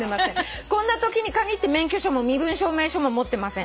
「こんなときに限って免許証も身分証明書も持ってません」